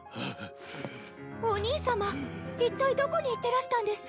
お兄さまいったいどこに行ってらしたんです？